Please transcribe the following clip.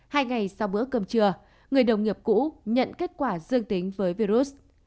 hai ngày sau bữa cơm trưa người đồng nghiệp cũ nhận kết quả dương tính với virus